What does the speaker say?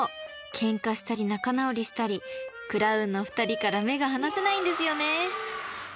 ケンカしたり仲直りしたりクラウンの２人から目が離せないんですよね］